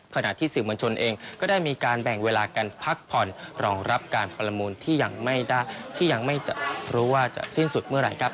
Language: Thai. ขณะที่สื่อมวลชนเองก็ได้มีการแบ่งเวลากันพักผ่อนรองรับการประมูลที่ยังไม่ได้ที่ยังไม่รู้ว่าจะสิ้นสุดเมื่อไหร่ครับ